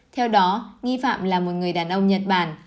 theo đó nghi phạm là một người đàn ông nhật bản